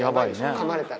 かまれたら。